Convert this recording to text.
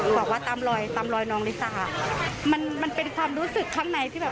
บอกว่าตามรอยตามรอยน้องลิซ่ามันมันเป็นความรู้สึกข้างในที่แบบ